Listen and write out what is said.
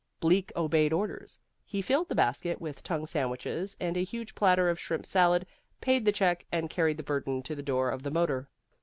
Bleak obeyed orders. He filled the basket with tongue sandwiches and a huge platter of shrimp salad, paid the check, and carried the burden to the door of the motor.